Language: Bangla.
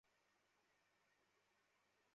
প্রতিবেশীদের পেয়ে গেছি।